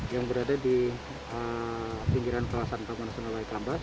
yang berada di pinggiran kawasan taman nasional waikambas